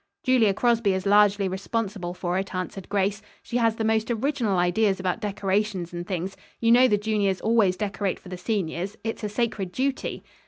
"Julia Crosby is largely responsible for it," answered Grace. "She has the most original ideas about decorations and things. You know the juniors always decorate for the seniors. It's a sacred duty."